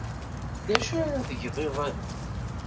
D acu ara tgeḍ iḍ-a?